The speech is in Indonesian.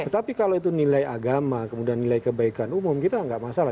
tapi kalau itu nilai agama kemudian nilai kebaikan umum kita nggak masalah